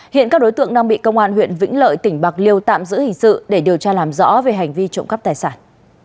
hiện các đối tượng đang bị công an huyện vĩnh lợi tỉnh bạc liêu tạm giữ hình sự để điều tra làm rõ về hành vi trộm cắp tài sản